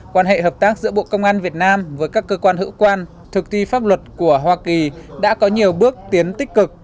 quan hệ hợp tác giữa bộ công an việt nam với các cơ quan hữu quan thực thi pháp luật của hoa kỳ đã có nhiều bước tiến tích cực